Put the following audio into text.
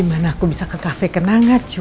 gimana aku bisa ke kafe kenang angat coba